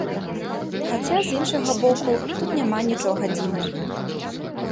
Хаця, з іншага боку, тут няма нічога дзіўнага.